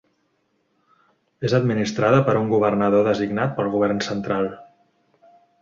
És administrada per un governador designat pel Govern central.